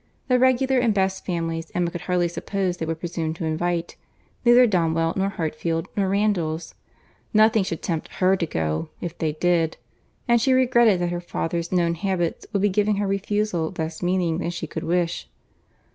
The regular and best families Emma could hardly suppose they would presume to invite—neither Donwell, nor Hartfield, nor Randalls. Nothing should tempt her to go, if they did; and she regretted that her father's known habits would be giving her refusal less meaning than she could wish.